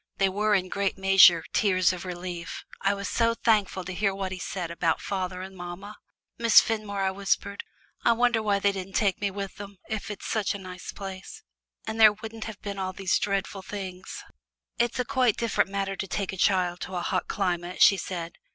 They were in great measure tears of relief I was so thankful to hear what he said about father and mamma. "Miss Fenmore," I whispered, "I wonder why they didn't take me with them, if it's a nice place. And then there wouldn't have been all these dreadful things." "It is quite a different matter to take a child to a hot climate," she said.